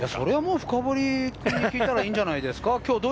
深堀君に聞いたらいいんじゃないですか？